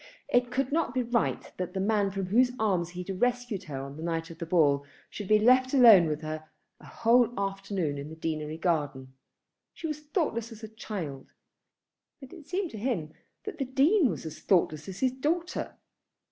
It could not be right that the man from whose arms he had rescued her on the night of the ball should be left alone with her a whole afternoon in the Deanery Garden! She was thoughtless as a child; but it seemed to him that the Dean was as thoughtless as his daughter.